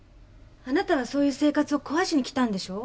あなたはそういう生活を壊しに来たんでしょ？